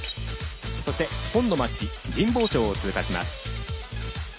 そして、本の街神保町を通過します。